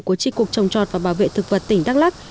của tri cục trồng trọt và bảo vệ thực vật tỉnh đắk lắc